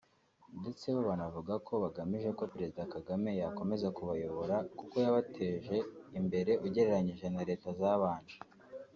ndetse bo banavuga ko bagamije ko Perezida Kagame yakomeza kubayobora kuko yabateje imbere ugereranyije na leta zabanje